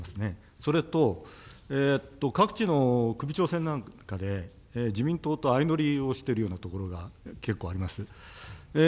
それと、各地の首長選なんかで、自民党と相乗りをしているようなところが結構あります。